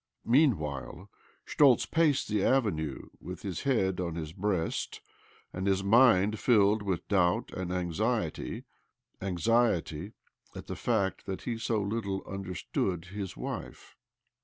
Meanwhile Schtoltz paced the avenue with his head on his breast and his mind filled with doubt and anxiety — anxiety at the fact that he so little under stood his wife.